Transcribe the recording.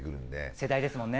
世代ですもんね。